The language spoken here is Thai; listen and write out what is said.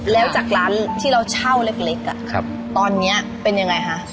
แล้วจากร้านที่เราเช่าเล็กตอนนี้เป็นยังไงคะ